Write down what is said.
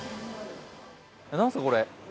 何すか、これ？